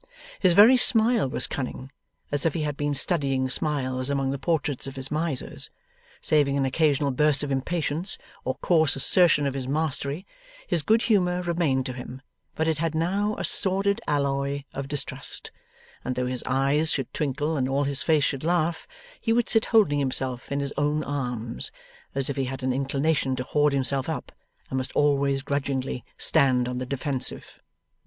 His very smile was cunning, as if he had been studying smiles among the portraits of his misers. Saving an occasional burst of impatience, or coarse assertion of his mastery, his good humour remained to him, but it had now a sordid alloy of distrust; and though his eyes should twinkle and all his face should laugh, he would sit holding himself in his own arms, as if he had an inclination to hoard himself up, and must always grudgingly stand on the defensive.